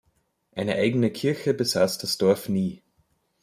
Eine eigene Kirche besaß das Dorf nie.